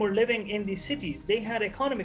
mereka mengalami masalah ekonomi